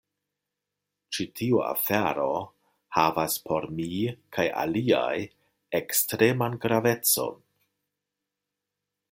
Ĉi tiu afero havas por mi kaj aliaj ekstreman gravecon.